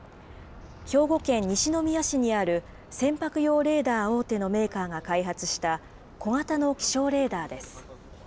兵庫県西宮市にある船舶用レーダー大手のメーカーが開発した、小型の気象レーダーです。